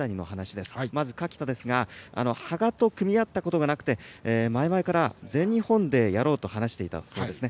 まず垣田ですが羽賀と組み合ったことがなくて前々から全日本でやろうと話していたそうですね。